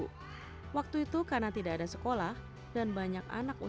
mengatur sumber uang budaya dalam barisan keras secara libera